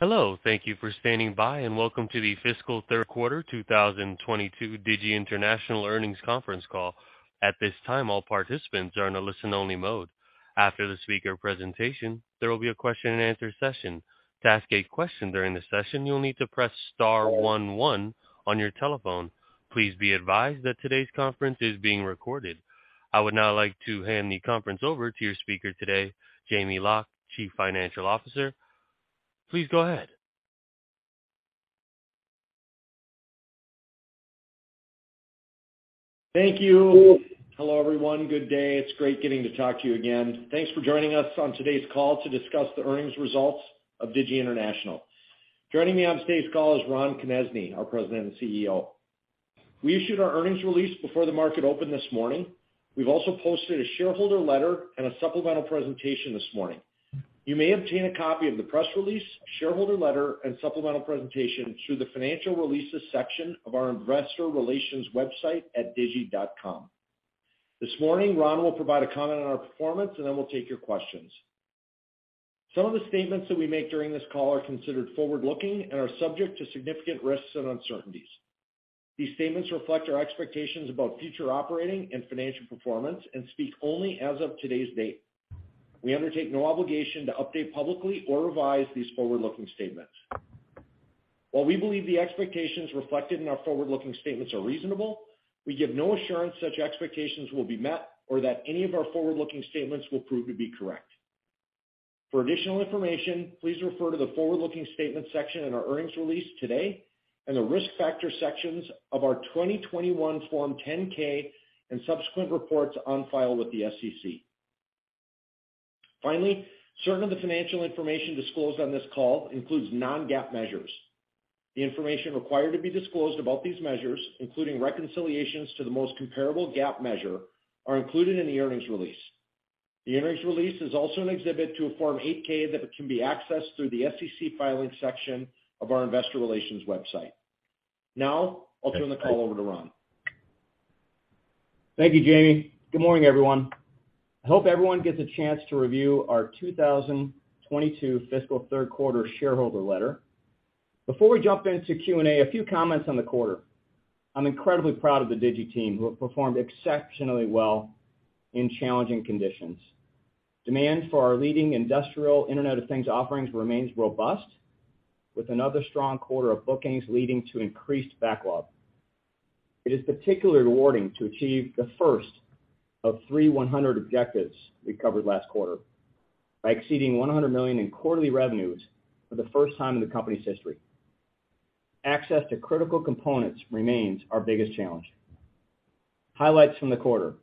Hello, thank you for standing by, and welcome to the Fiscal Q3 2022 Digi International Earnings Conference Call. At this time, all participants are in a listen-only mode. After the speaker presentation, there will be a Q&A session. To ask a question during the session, you'll need to press Star one one on your telephone. Please be advised that today's conference is being recorded. I would now like to hand the conference over to your speaker today, Jamie Loch, Chief Financial Officer. Please go ahead. Thank you. Hello, everyone. Good day. It's great getting to talk to you again. Thanks for joining us on today's call to discuss the Earnings Results of Digi International. Joining me on today's call is Ron Konezny, our President and CEO. We issued our earnings release before the market opened this morning. We've also posted a shareholder letter and a supplemental presentation this morning. You may obtain a copy of the press release, shareholder letter, and supplemental presentation through the Financial Releases section of our Investor Relations website at digi.com. This morning, Ron will provide a comment on our performance, and then we'll take your questions. Some of the statements that we make during this call are considered forward-looking and are subject to significant risks and uncertainties. These statements reflect our expectations about future operating and financial performance and speak only as of today's date. We undertake no obligation to update publicly or revise these forward-looking statements. While we believe the expectations reflected in our forward-looking statements are reasonable, we give no assurance such expectations will be met or that any of our forward-looking statements will prove to be correct. For additional information, please refer to the forward-looking statement section in our earnings release today and the risk factor sections of our 2021 Form 10-K and subsequent reports on file with the SEC. Finally, certain of the financial information disclosed on this call includes non-GAAP measures. The information required to be disclosed about these measures, including reconciliations to the most comparable GAAP measure, are included in the earnings release. The earnings release is also an exhibit to a Form 8-K that can be accessed through the SEC Filings section of our Investor Relations website. Now, I'll turn the call over to Ron. Thank you, Jamie. Good morning, everyone. I hope everyone gets a chance to review our 2022 Fiscal Q3 shareholder letter. Before we jump into Q&A, a few comments on the quarter. I'm incredibly proud of the Digi team, who have performed exceptionally well in challenging conditions. Demand for our leading industrial Internet of Things offerings remains robust, with another strong quarter of bookings leading to increased backlog. It is particularly rewarding to achieve the first of 3 $100 million objectives we covered last quarter by exceeding $100 million in quarterly revenues for the first time in the company's history. Access to critical components remains our biggest challenge. Highlights from the quarter.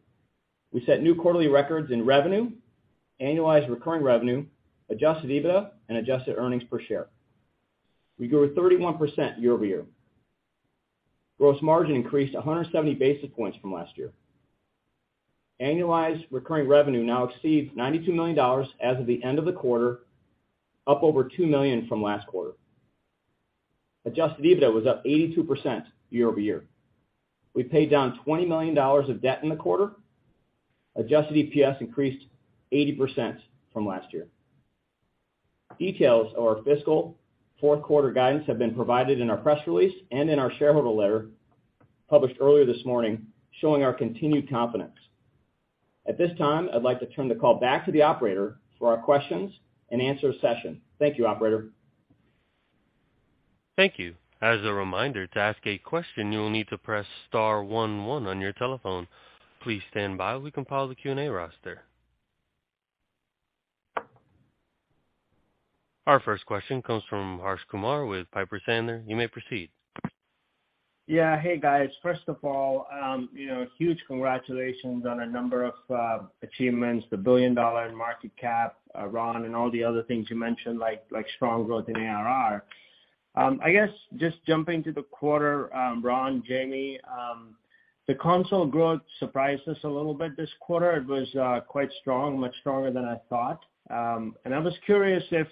We set new quarterly records in revenue, annualized recurring revenue, adjusted EBITDA, and adjusted earnings per share. We grew 31% year-over-year. Gross margin increased 170 basis points from last year. Annualized recurring revenue now exceeds $92 million as of the end of the quarter, up over $2 million from last quarter. Adjusted EBITDA was up 82% year-over-year. We paid down $20 million of debt in the quarter. Adjusted EPS increased 80% from last year. Details of our Fiscal Q4 guidance have been provided in our press release and in our shareholder letter published earlier this morning, showing our continued confidence. At this time, I'd like to turn the call back to the operator for our Q&A session. Thank you, operator. Thank you. As a reminder, to ask a question, you will need to press Star one one on your telephone. Please stand by while we compile the Q&A roster. Our first question comes from Harsh Kumar with Piper Sandler. You may proceed. Yeah. Hey, guys. First of all, you know, huge congratulations on a number of achievements, the billion-dollar market cap, Ron, and all the other things you mentioned, like strong growth in ARR. I guess just jumping to the quarter, Ron, Jamie, the console growth surprised us a little bit this quarter. It was quite strong, much stronger than I thought. I was curious if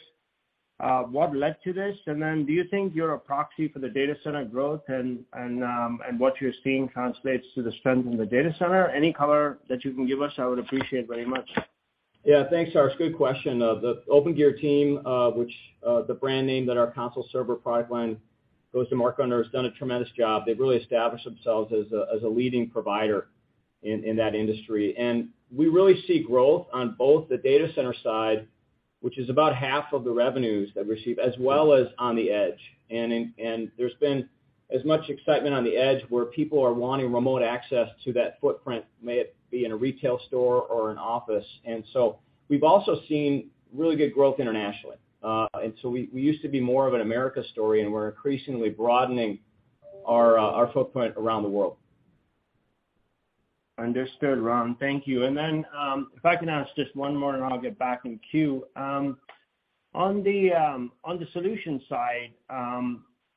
what led to this. Do you think you're a proxy for the data center growth, and what you're seeing translates to the strength in the data center? Any color that you can give us, I would appreciate very much. Yeah. Thanks, Harsh. Good question. The Opengear team, which the brand name that our console server product line goes to market under, has done a tremendous job. They've really established themselves as a leading provider in that industry. We really see growth on both the data center side, which is about half of the revenues that we see, as well as on the edge. There's been as much excitement on the edge, where people are wanting remote access to that footprint, be it in a retail store or an office. We've also seen really good growth internationally. We used to be more of an American story, and we're increasingly broadening our footprint around the world. Understood, Ron. Thank you. If I can ask just one more, and I'll get back in queue. On the solutions side,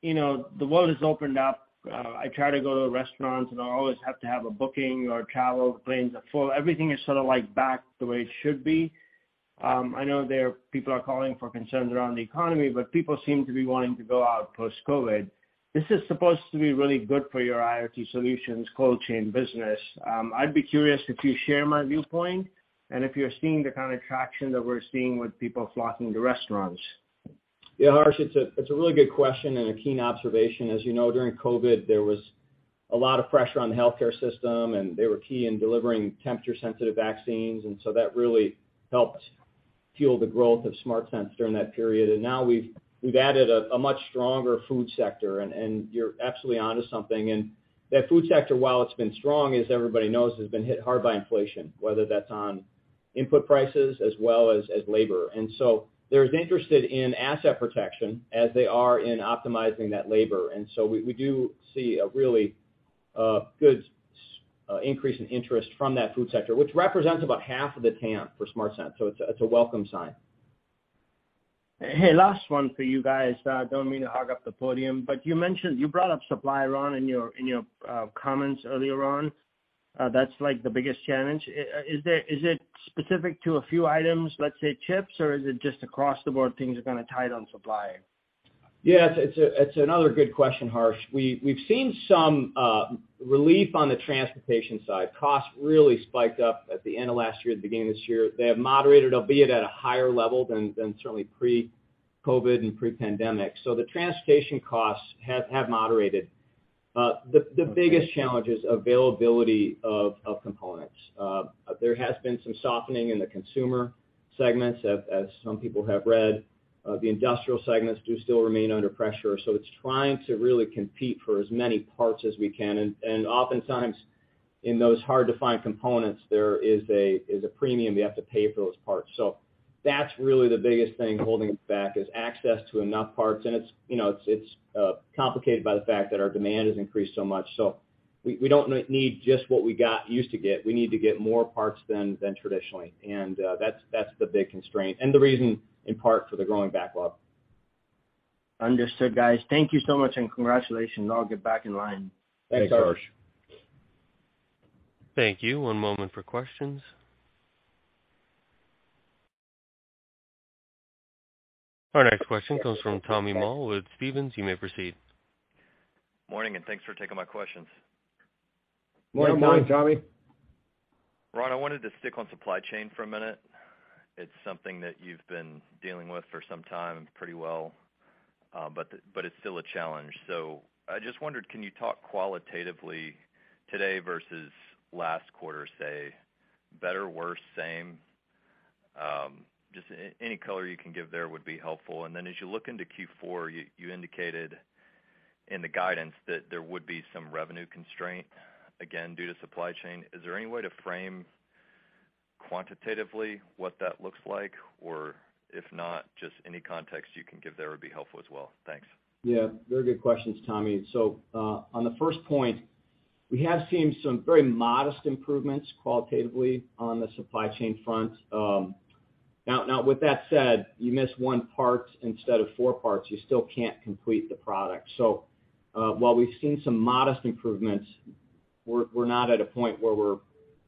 you know, the world has opened up. I try to go to restaurants, and I always have to have a booking or travel. Planes are full. Everything is sort of, like, back the way it should be. I know people are calling for concerns around the economy, but people seem to be wanting to go out post-COVID. This is supposed to be really good for your IoT solutions, cold chain business. I'd be curious if you share my viewpoint and if you're seeing the kind of traction that we're seeing with people flocking to restaurants. Yeah, Harsh, it's a really good question and a keen observation. As you know, during COVID, there was a lot of pressure on the healthcare system, and they were key in delivering temperature sensitive vaccines. Now we've added a much stronger food sector, and you're absolutely onto something. That food sector, while it's been strong, as everybody knows, has been hit hard by inflation, whether that's on input prices as well as labor. They're as interested in asset protection as they are in optimizing that labor. We do see a really good increase in interest from that food sector, which represents about half of the TAM for SmartSense. It's a welcome sign. Hey, last one for you guys. Don't mean to hog up the podium, but you mentioned. You brought up supply, Ron, in your comments earlier on. That's like the biggest challenge. Is it specific to a few items, let's say chips, or is it just across the board things are kind of tight on supply? Yeah, it's another good question, Harsh. We've seen some relief on the transportation side. Costs really spiked up at the end of last year, at the beginning of this year. They have moderated, albeit at a higher level than certainly pre-COVID and pre-pandemic. The transportation costs have moderated. The biggest challenge is availability of components. There has been some softening in the consumer segments as some people have read. The industrial segments do still remain under pressure. It's trying to really compete for as many parts as we can. And oftentimes in those hard to find components, there is a premium you have to pay for those parts. That's really the biggest thing holding us back is access to enough parts. It's, you know, it's complicated by the fact that our demand has increased so much. We don't need just what we got used to get. We need to get more parts than traditionally. That's the big constraint and the reason, in part, for the growing backlog. Understood, guys. Thank you so much, and congratulations. I'll get back in line. Thanks, Harsh. Thanks, Harsh. Thank you. One moment for questions. Our next question comes from Tommy Moll with Stephens. You may proceed. Morning, and thanks for taking my questions. Morning, Tommy. Yeah. Good morning, Tommy. Ron, I wanted to stick on supply chain for a minute. It's something that you've been dealing with for some time pretty well, but it's still a challenge. I just wondered, can you talk qualitatively today versus last quarter, say, better, worse, same? Just any color you can give there would be helpful. As you look into Q4, you indicated in the guidance that there would be some revenue constraint, again, due to supply chain. Is there any way to frame quantitatively what that looks like? Or if not, just any context you can give there would be helpful as well. Thanks. Yeah. Very good questions, Tommy. On the first point, we have seen some very modest improvements qualitatively on the supply chain front. Now with that said, you miss one part instead of four parts, you still can't complete the product. While we've seen some modest improvements, we're not at a point where we're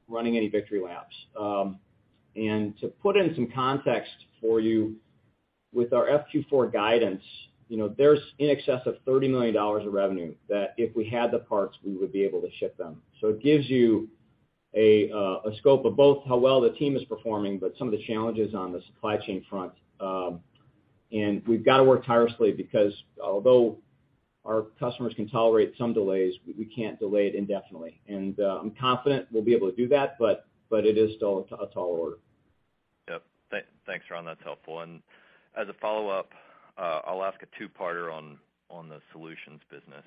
running any victory laps. To put in some context for you, with our FQ4 guidance, you know, there's in excess of $30 million of revenue that if we had the parts, we would be able to ship them. It gives you a scope of both how well the team is performing, but some of the challenges on the supply chain front. We've got to work tirelessly because although our customers can tolerate some delays, we can't delay it indefinitely. I'm confident we'll be able to do that, but it is still a tall order. Yep. Thanks, Ron. That's helpful. As a follow-up, I'll ask a two-parter on the solutions business.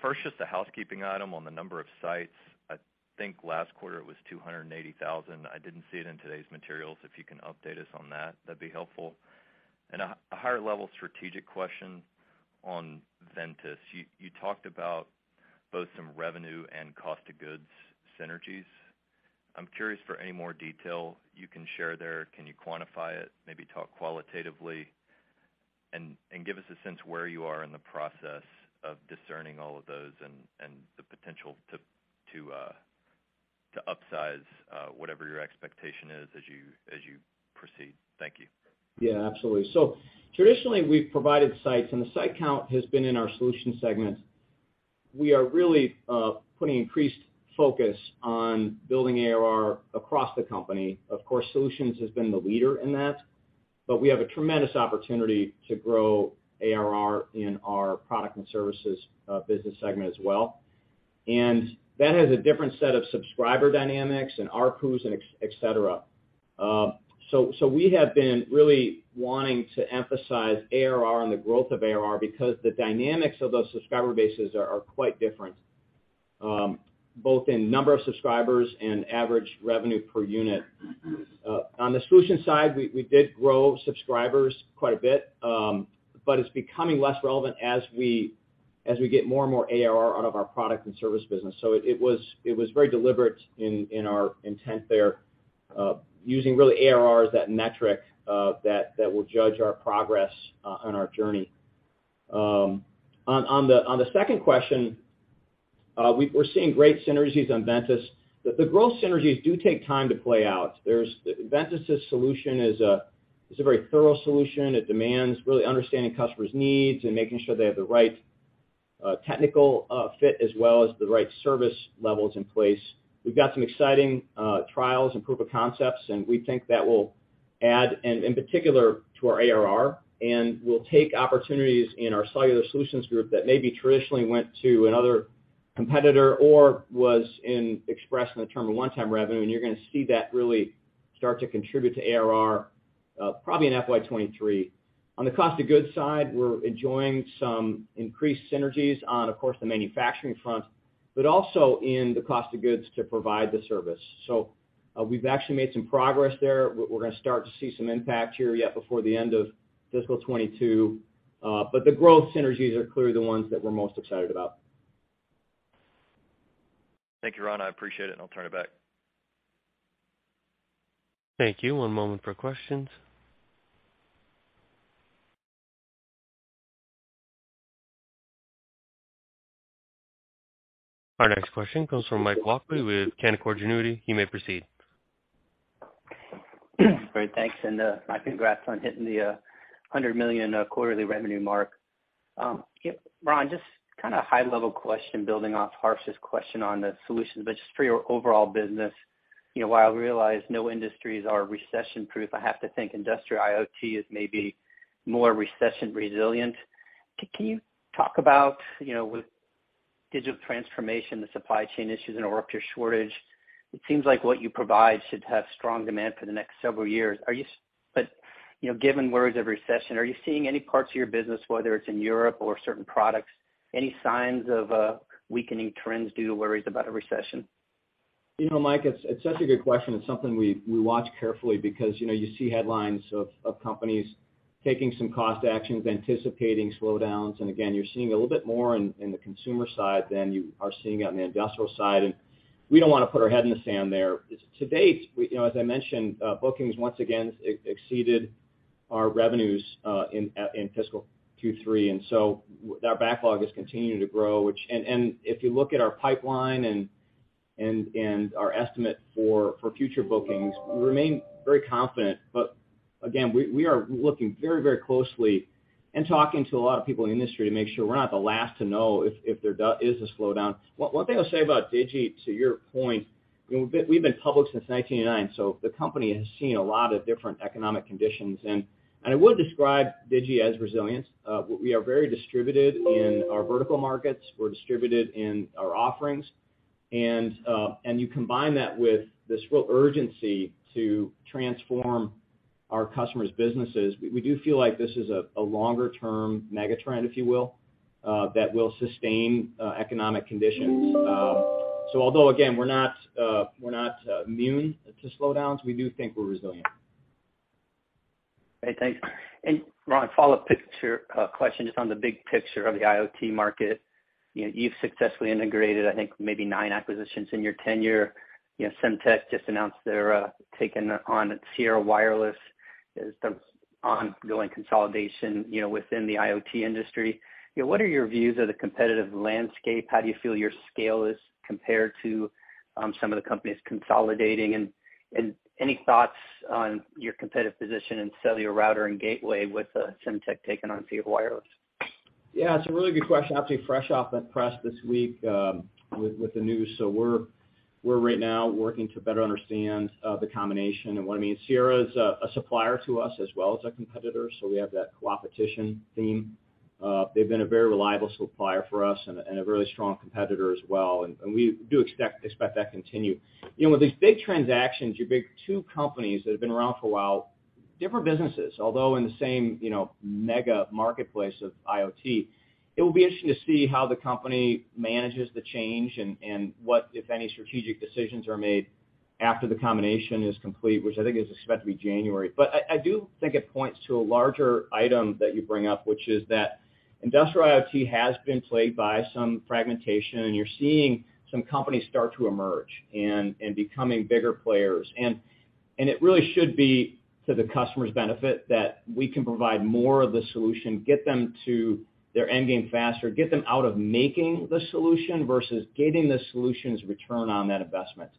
First, just a housekeeping item on the number of sites. I think last quarter it was 280,000. I didn't see it in today's materials. If you can update us on that'd be helpful. A higher level strategic question on Ventus. You talked about both some revenue and cost of goods synergies. I'm curious for any more detail you can share there. Can you quantify it, maybe talk qualitatively? Give us a sense where you are in the process of discerning all of those and the potential to upsize whatever your expectation is as you proceed. Thank you. Yeah, absolutely. Traditionally, we've provided sites, and the site count has been in our solutions segment. We are really putting increased focus on building ARR across the company. Of course, solutions has been the leader in that. We have a tremendous opportunity to grow ARR in our product and services business segment as well. That has a different set of subscriber dynamics and ARPUs and etc. We have been really wanting to emphasize ARR and the growth of ARR because the dynamics of those subscriber bases are quite different both in number of subscribers and average revenue per unit. On the solutions side, we did grow subscribers quite a bit. It's becoming less relevant as we get more and more ARR out of our product and service business. It was very deliberate in our intent there, using really ARR as that metric, that will judge our progress on our journey. On the second question, we're seeing great synergies on Ventus. The growth synergies do take time to play out. Ventus' solution is a very thorough solution. It demands really understanding customers' needs and making sure they have the right technical fit as well as the right service levels in place. We've got some exciting trials and proof of concepts, and we think that will add and, in particular, to our ARR. We'll take opportunities in our cellular solutions group that maybe traditionally went to another competitor or was expressed in the form of one-time revenue, and you're going to see that really start to contribute to ARR, probably in FY 2023. On the cost of goods side, we're enjoying some increased synergies on, of course, the manufacturing front but also in the cost of goods to provide the service. We've actually made some progress there. We're going to start to see some impact here yet before the end of Fiscal 2022. The growth synergies are clearly the ones that we're most excited about. Thank you, Ron. I appreciate it, and I'll turn it back. Thank you. One moment for questions. Our next question comes from Mike Walkley with Canaccord Genuity. You may proceed. Great. Thanks. My congrats on hitting the $100 million quarterly revenue mark. Yep, Ron, just kind of high level question building off Harsh's question on the solutions, but just for your overall business, you know, while I realize no industries are recession-proof, I have to think industrial IoT is maybe more recession resilient. Can you talk about, you know, with digital transformation, the supply chain issues and a chip shortage, it seems like what you provide should have strong demand for the next several years. But, you know, given worries of recession, are you seeing any parts of your business, whether it's in Europe or certain products, any signs of weakening trends due to worries about a recession? You know, Mike, it's such a good question. It's something we watch carefully because, you know, you see headlines of companies taking some cost actions, anticipating slowdowns. Again, you're seeing a little bit more in the consumer side than you are seeing on the industrial side. We don't want to put our head in the sand there. To date, you know, as I mentioned, bookings once again exceeded our revenues in Fiscal 2023. Our backlog is continuing to grow. If you look at our pipeline and our estimate for future bookings, we remain very confident. Again, we are looking very closely and talking to a lot of people in the industry to make sure we're not the last to know if there is a slowdown. One thing I'll say about Digi, to your point, you know, we've been public since 1989, so the company has seen a lot of different economic conditions. I would describe Digi as resilient. We are very distributed in our vertical markets. We're distributed in our offerings. You combine that with this real urgency to transform our customers' businesses. We do feel like this is a longer term megatrend, if you will, that will sustain economic conditions. Although again, we're not immune to slowdowns, we do think we're resilient. Great. Thanks. Ron, a follow-up big picture question just on the big picture of the IoT market. You know, you've successfully integrated, I think, maybe nine acquisitions in your tenure. You know, Semtech just announced they're taking on Sierra Wireless as the ongoing consolidation, you know, within the IoT industry. You know, what are your views of the competitive landscape? How do you feel your scale is compared to some of the companies consolidating? And any thoughts on your competitive position in cellular router and gateway with Semtech taking on Sierra Wireless? Yeah, it's a really good question. Obviously fresh off the press this week, with the news. We're right now working to better understand the combination and what it means. Sierra Wireless is a supplier to us as well as a competitor, so we have that coopetition theme. They've been a very reliable supplier for us and a very strong competitor as well, and we do expect that to continue. You know, with these big transactions, you bring two companies that have been around for a while, different businesses, although in the same, you know, mega marketplace of IoT. It will be interesting to see how the company manages the change and what, if any, strategic decisions are made after the combination is complete, which I think is expected to be January. I do think it points to a larger item that you bring up, which is that industrial IoT has been plagued by some fragmentation, and you're seeing some companies start to emerge and becoming bigger players. It really should be to the customer's benefit that we can provide more of the solution, get them to their end game faster, get them out of making the solution versus getting the solution's return on that investment.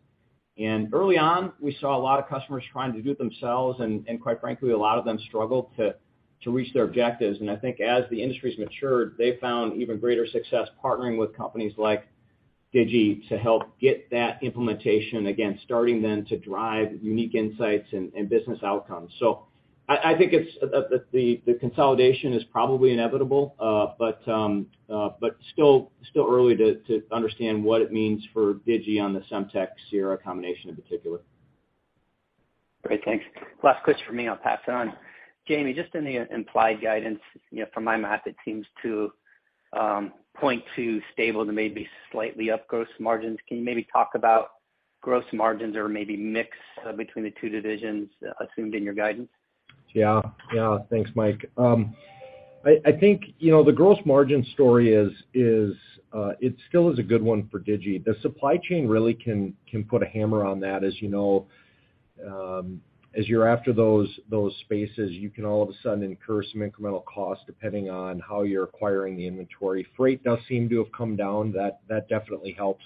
Early on, we saw a lot of customers trying to do it themselves, and quite frankly, a lot of them struggled to reach their objectives. I think as the industry's matured, they found even greater success partnering with companies like Digi to help get that implementation, again, starting then to drive unique insights and business outcomes. I think it's the consolidation is probably inevitable, but still early to understand what it means for Digi on the Semtech Sierra combination in particular. Great. Thanks. Last question from me, I'll pass it on. Jamie, just in the implied guidance, you know, from my math, it seems to point to stable to maybe slightly up gross margins. Can you maybe talk about gross margins or maybe mix between the two divisions assumed in your guidance? Yeah. Yeah. Thanks, Mike. I think, you know, the gross margin story is. It still is a good one for Digi. The supply chain really can put a hammer on that, as you know. As you're after those spaces, you can all of a sudden incur some incremental costs depending on how you're acquiring the inventory. Freight does seem to have come down. That definitely helps.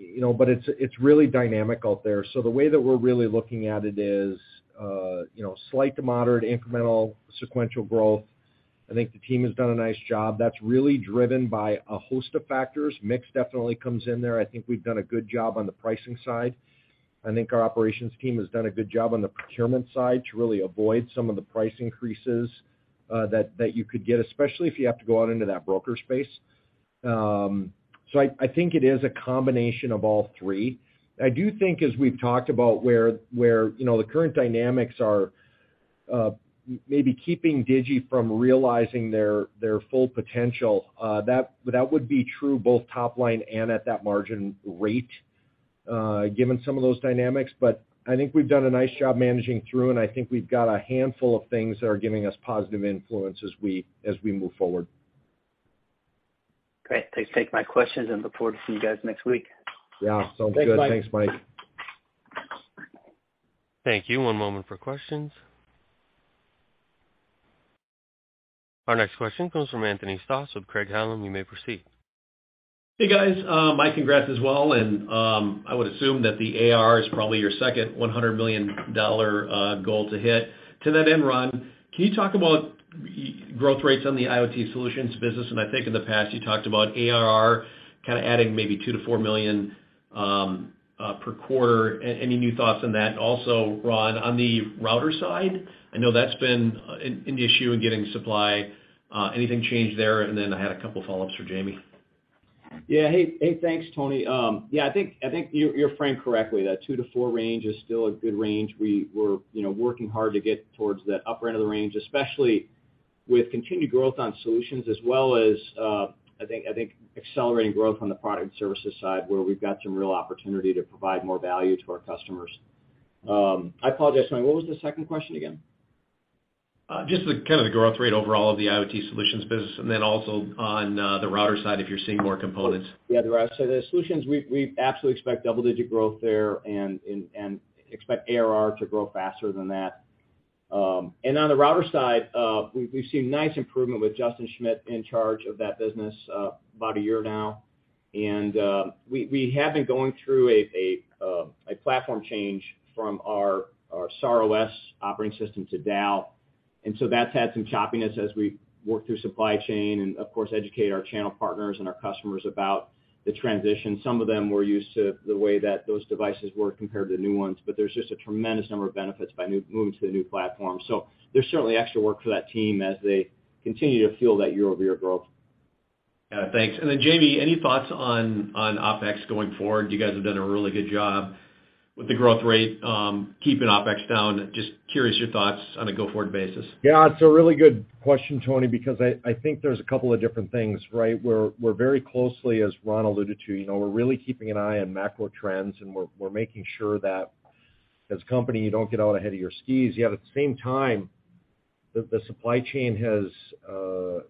You know, it's really dynamic out there. The way that we're really looking at it is, you know, slight to moderate incremental sequential growth. I think the team has done a nice job. That's really driven by a host of factors. Mix definitely comes in there. I think we've done a good job on the pricing side. I think our operations team has done a good job on the procurement side to really avoid some of the price increases, that you could get, especially if you have to go out into that broker space. I think it is a combination of all three. I do think, as we've talked about where, you know, the current dynamics are, maybe keeping Digi from realizing their full potential, that would be true both top line and at that margin rate, given some of those dynamics. I think we've done a nice job managing through, and I think we've got a handful of things that are giving us positive influence as we move forward. Great. Thanks for taking my questions and look forward to seeing you guys next week. Yeah. Sounds good. Thanks, Mike. Thanks, Mike. Thank you. One moment for questions. Our next question comes from Anthony Stoss with Craig-Hallum. You may proceed. Hey, guys. My congrats as well. I would assume that the ARR is probably your second $100 million goal to hit. To that end, Ron, can you talk about growth rates on the IoT solutions business? I think in the past you talked about ARR kind of adding maybe $2 million-$4 million per quarter. Any new thoughts on that? Also, Ron, on the router side, I know that's been an issue in getting supply. Anything changed there? I had a couple follow-ups for Jamie. Yeah. Hey, hey. Thanks, Anthony. Yeah, I think you're framed correctly. That two to four range is still a good range. We were working hard to get towards that upper end of the range, especially with continued growth on solutions as well as I think accelerating growth on the product and services side, where we've got some real opportunity to provide more value to our customers. I apologize, Anthony. What was the second question again? Just the kind of growth rate overall of the IoT solutions business and then also on the router side, if you're seeing more components. Yeah, the router side. The solutions, we absolutely expect double-digit growth there and expect ARR to grow faster than that. On the router side, we've seen nice improvement with Justin Schmidt in charge of that business, about a year now. We have been going through a platform change from our SarOS operating system to DAL. And so that's had some choppiness as we work through supply chain and, of course, educate our channel partners and our customers about the transition. Some of them were used to the way that those devices work compared to new ones, but there's just a tremendous number of benefits by moving to the new platform. There's certainly extra work for that team as they continue to fuel that year-over-year growth. Got it. Thanks. Jamie, any thoughts on OpEx going forward? You guys have done a really good job with the growth rate, keeping OpEx down. Just curious your thoughts on a go-forward basis. Yeah, it's a really good question, Tony, because I think there's a couple of different things, right? We're very closely, as Ron alluded to, you know, we're really keeping an eye on macro trends, and we're making sure that as a company, you don't get out ahead of your skis. Yet at the same time, the supply chain has,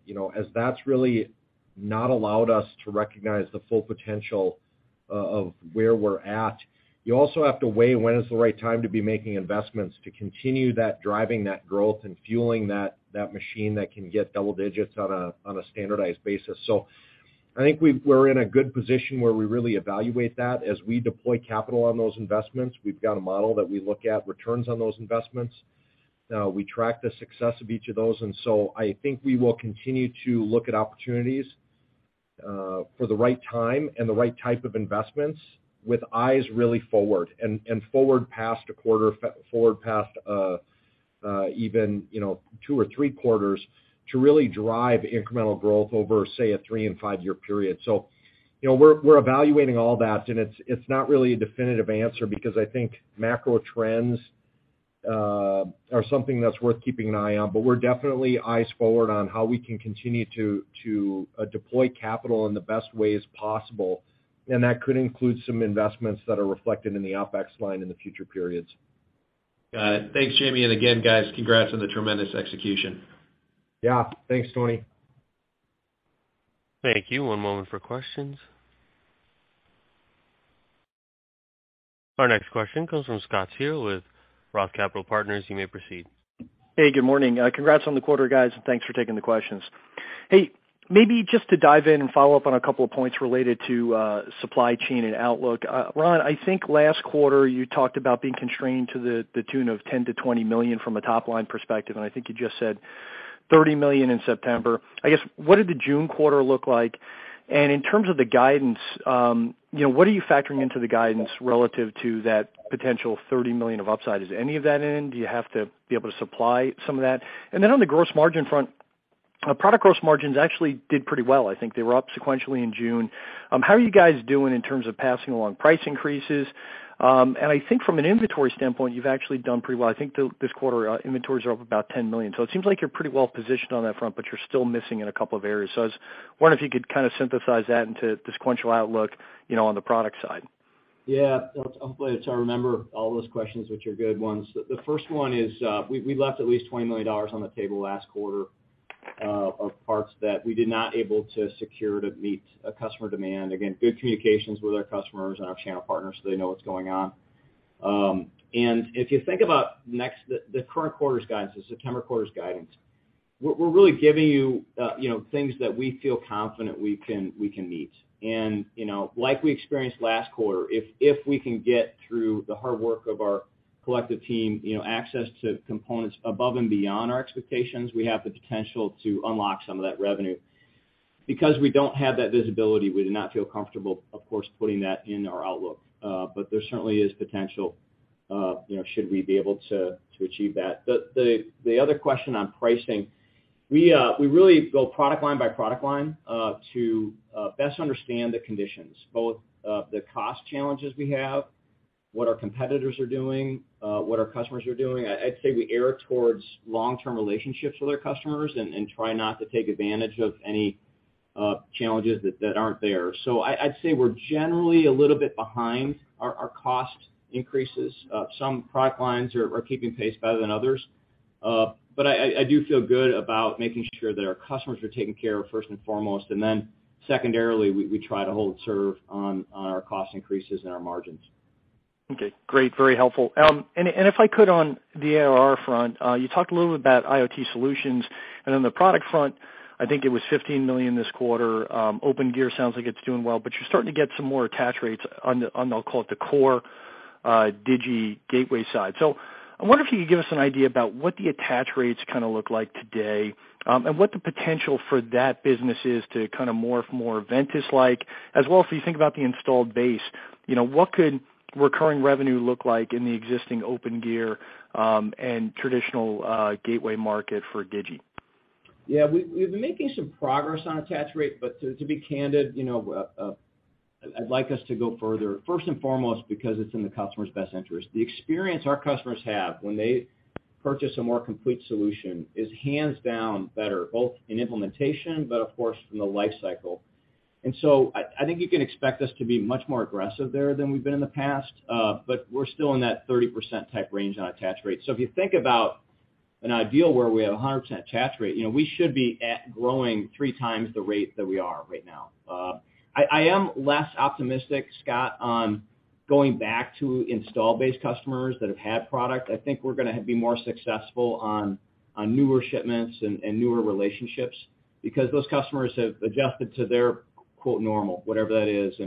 you know, as that has really not allowed us to recognize the full potential of where we're at. You also have to weigh when is the right time to be making investments to continue that, driving that growth and fueling that machine that can get double-digits on a standardized basis. I think we're in a good position where we really evaluate that. As we deploy capital on those investments, we've got a model that we look at returns on those investments. We track the success of each of those. I think we will continue to look at opportunities for the right time and the right type of investments with eyes really forward and forward past a quarter, forward past even, you know, two or three quarters to really drive incremental growth over, say, a three- and five-year period. You know, we're evaluating all that, and it's not really a definitive answer because I think macro trends are something that's worth keeping an eye on. We're definitely eyes forward on how we can continue to deploy capital in the best ways possible, and that could include some investments that are reflected in the OpEx line in the future periods. Got it. Thanks, Jamie. Again, guys, congrats on the tremendous execution. Yeah. Thanks, Tony. Thank you. One moment for questions. Our next question comes from Scott Searle with Roth Capital Partners. You may proceed. Hey, good morning. Congrats on the quarter, guys. Thanks for taking the questions. Hey, maybe just to dive in and follow-up on a couple of points related to supply chain and outlook. Ron, I think last quarter, you talked about being constrained to the tune of $10 million-$20 million from a top-line perspective, and I think you just said $30 million in September. I guess, what did the June quarter look like? And in terms of the guidance, you know, what are you factoring into the guidance relative to that potential $30 million of upside? Is any of that in? Do you have to be able to supply some of that? And then on the gross margin front, product gross margins actually did pretty well. I think they were up sequentially in June. How are you guys doing in terms of passing along price increases? I think from an inventory standpoint, you've actually done pretty well. I think this quarter, inventories are up about $10 million. It seems like you're pretty well positioned on that front, but you're still missing in a couple of areas. I was wondering if you could kind of synthesize that into the sequential outlook, you know, on the product side. Yeah. I'm glad to remember all those questions, which are good ones. The first one is, we left at least $20 million on the table last quarter, of parts that we did not able to secure to meet a customer demand. Again, good communications with our customers and our channel partners, so they know what's going on. If you think about the current quarter's guidance, the September quarter's guidance, we're really giving you know, things that we feel confident we can meet. You know, like we experienced last quarter, if we can get through the hard work of our collective team, you know, access to components above and beyond our expectations, we have the potential to unlock some of that revenue. Because we don't have that visibility, we do not feel comfortable, of course, putting that in our outlook. There certainly is potential, you know, should we be able to achieve that. The other question on pricing, we really go product line by product line to best understand the conditions, both the cost challenges we have, what our competitors are doing, what our customers are doing. I'd say we air it towards long-term relationships with our customers and try not to take advantage of any challenges that aren't there. I'd say we're generally a little bit behind our cost increases. Some product lines are keeping pace better than others. I do feel good about making sure that our customers are taken care of first and foremost, and then secondarily, we try to hold serve on our cost increases and our margins. Okay. Great. Very helpful. If I could on the ARR front, you talked a little bit about IoT solutions and on the product front, I think it was $15 million this quarter. Opengear sounds like it's doing well, but you're starting to get some more attach rates on the, I'll call it, the core Digi gateway side. I wonder if you could give us an idea about what the attach rates kind of look like today, and what the potential for that business is to kind of morph more Ventus-like, as well as if you think about the installed base, you know, what could recurring revenue look like in the existing Opengear and traditional gateway market for Digi? Yeah. We've been making some progress on attach rate, but to be candid, you know, I'd like us to go further, first and foremost because it's in the customer's best interest. The experience our customers have when they purchase a more complete solution is hands down better, both in implementation, but of course in the life cycle. I think you can expect us to be much more aggressive there than we've been in the past, but we're still in that 30% type range on attach rate. If you think about an ideal where we have a 100% attach rate, you know, we should be at growing three times the rate that we are right now. I am less optimistic, Scott, on going back to install base customers that have had product. I think we're going to be more successful on newer shipments and newer relationships because those customers have adjusted to their, quote, "normal," whatever that is.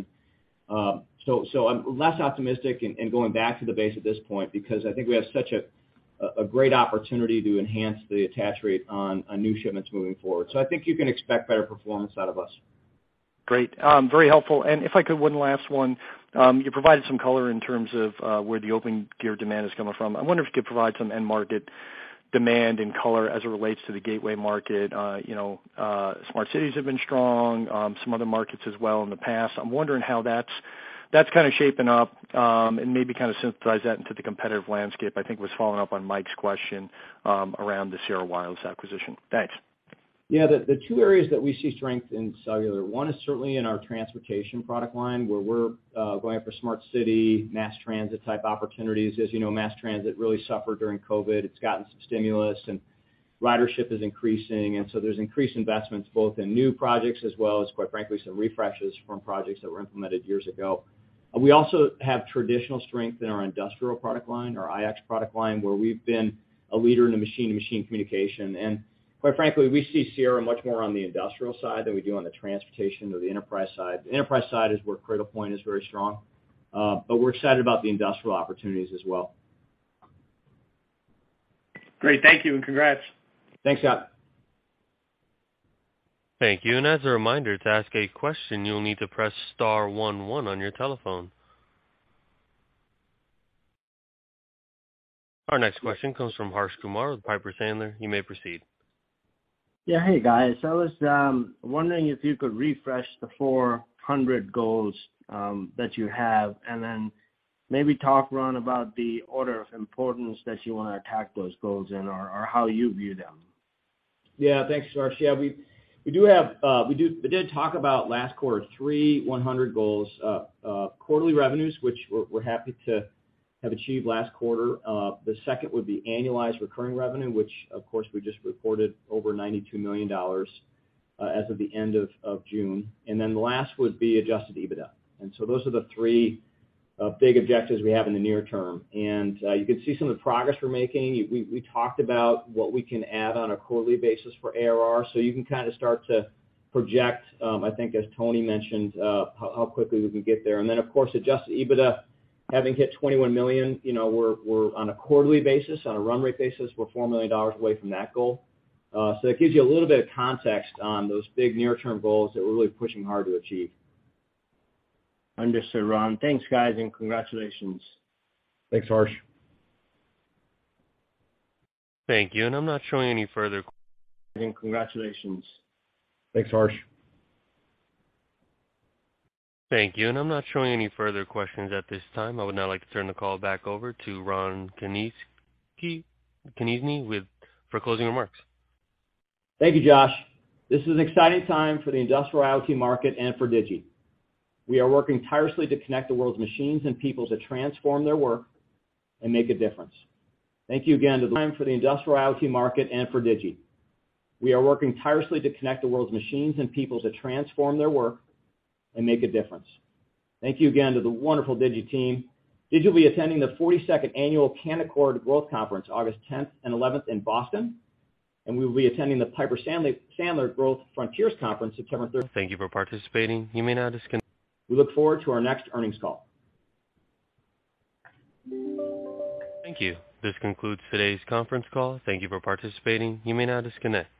I'm less optimistic in going back to the base at this point because I think we have such a great opportunity to enhance the attach rate on new shipments moving forward. I think you can expect better performance out of us. Great. Very helpful. If I could, one last one. You provided some color in terms of where the Opengear demand is coming from. I wonder if you could provide some end market demand and color as it relates to the gateway market. You know, smart cities have been strong, some other markets as well in the past. I'm wondering how that's kind of shaping up, and maybe kind of synthesize that into the competitive landscape. I think was following-up on Mike's question, around the Sierra Wireless acquisition. Thanks. Yeah. The two areas that we see strength in cellular, one is certainly in our transportation product line, where we're going after smart city, mass transit type opportunities. As you know, mass transit really suffered during COVID. It's gotten some stimulus and ridership is increasing, and so there's increased investments both in new projects as well as, quite frankly, some refreshes from projects that were implemented years ago. We also have traditional strength in our industrial product line, our IX product line, where we've been a leader in the machine-to-machine communication. Quite frankly, we see Sierra much more on the industrial side than we do on the transportation or the enterprise side. The enterprise side is where Cradlepoint is very strong, but we're excited about the industrial opportunities as well. Great. Thank you, and congrats. Thanks, Scott. Thank you. As a reminder, to ask a question, you'll need to press Star one one on your telephone. Our next question comes from Harsh Kumar with Piper Sandler. You may proceed. Yeah. Hey, guys. I was wondering if you could refresh the 400 goals that you have, and then maybe talk about the order of importance that you want to attack those goals in or how you view them. Thanks, Harsh. We did talk about last quarter three $100 million goals. Quarterly revenues, which we're happy to have achieved last quarter. The second would be annualized recurring revenue, which of course we just reported over $92 million as of the end of June. The last would be adjusted EBITDA. Those are the three big objectives we have in the near-term. You can see some of the progress we're making. We talked about what we can add on a quarterly basis for ARR, so you can kind of start to project, I think as Anthony mentioned, how quickly we can get there. Of course, adjusted EBITDA having hit $21 million, you know, we're on a quarterly basis, on a run rate basis, we're $4 million away from that goal. That gives you a little bit of context on those big near-term goals that we're really pushing hard to achieve. Understood, Ron. Thanks, guys, and congratulations. Thanks, Harsh. Thank you. I'm not showing any further. Congratulations. Thanks, Harsh. Thank you. I'm not showing any further questions at this time. I would now like to turn the call back over to Ron Konezny for closing remarks. Thank you, Josh. This is an exciting time for the industrial IoT market and for Digi. We are working tirelessly to connect the world's machines and people to transform their work and make a difference. Thank you again to the wonderful Digi team. Digi will be attending the 42nd Annual Canaccord Genuity Growth Conference August 10th and 11th in Boston, and we will be attending the Piper Sandler Growth Frontiers Conference September 3rd. Thank you for participating. You may now disconnect. We look forward to our next earnings call. Thank you. This concludes today's conference call. Thank you for participating. You may now disconnect.